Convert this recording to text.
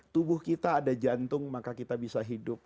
tubuh kita ada jantung maka kita bisa hidup